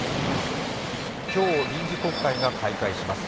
今日、臨時国会が開会します。